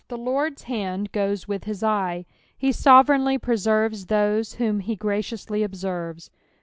'''' The Lord's hand goes with his eye ; ho sovereignly preserves those whom he graciously observes.